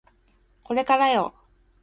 これからよ